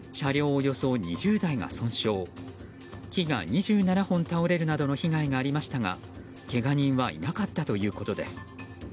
およそ２０台が損傷木が２７本倒れるなどの被害がありましたがけが人はいなかったということです。